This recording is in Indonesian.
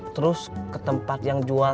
terus ke tempat yang jual